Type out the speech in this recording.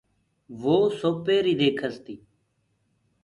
وو سوپيري ديکس تي۔